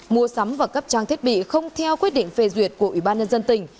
mua sắm và cấp trang thiết bị không theo quyết định phê duyệt của ủy ban nhân dân tỉnh